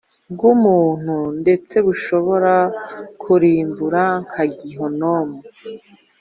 bw umuntu ndetse rushobora kurimbura nka Gehinomu